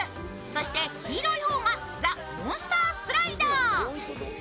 そして黄色い方がザ・モンスタースライダー。